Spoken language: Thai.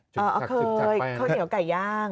เคยข้าวเหนียวไก่ย่าง